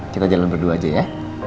kita jalan berdua aja ya